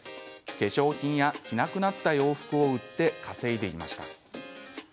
化粧品や着なくなった洋服を売って稼いでいました。